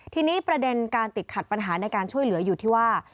ทีนี้ประเด็นการติดขัดปัญหาในการช่วยเหลืออยู่ที่ว่า